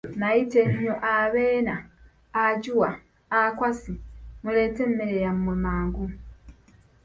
Nayita ennyo, Abena, Ajua, Akwasi, muleete emmere yamwe mangu!